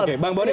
oke bang boni